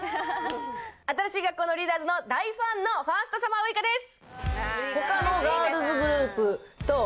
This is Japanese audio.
新しい学校のリーダーズの大ファンのファーストサマーウイカです！